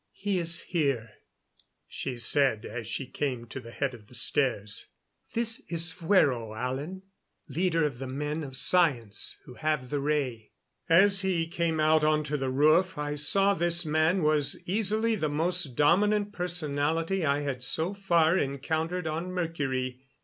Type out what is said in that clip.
"He is here," she said as she came to the head of the stairs. "This is Fuero, Alan, leader of the men of science, who have the ray." As he came out onto the roof I saw this man was easily the most dominant personality I had so far encountered on Mercury.